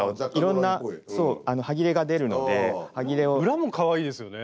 裏もかわいいですよね。